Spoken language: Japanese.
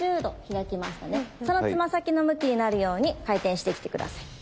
そのつま先の向きになるように回転してきて下さい。